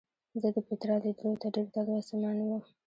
زه د پیترا لیدلو ته ډېر تلوسمن وم.